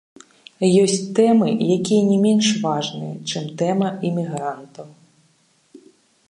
Ёсць тэмы, якія не менш важныя, чым тэма імігрантаў.